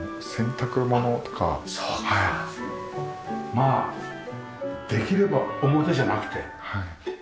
まあできれば表じゃなくて室内で。